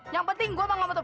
yang penting gue gak mau tau